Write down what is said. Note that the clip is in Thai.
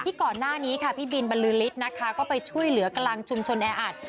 ที่ก่อนหน้านี้ค่ะพี่บินบัยลูฤษนะคะก็ไปช่วยเหลือกลังชุมชนแอร์อัด